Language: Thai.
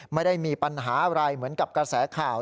ไม่ได้มีปัญหาอะไรเหมือนกับกระแสข่าว